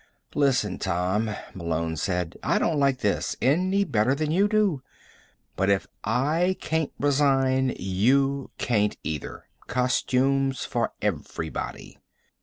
"Listen, Tom," Malone said, "I don't like this any better than you do. But if I can't resign, you can't either. Costumes for everybody."